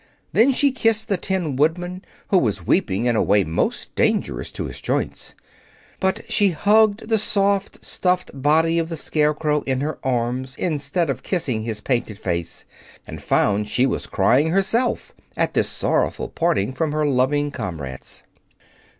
Then she kissed the Tin Woodman, who was weeping in a way most dangerous to his joints. But she hugged the soft, stuffed body of the Scarecrow in her arms instead of kissing his painted face, and found she was crying herself at this sorrowful parting from her loving comrades.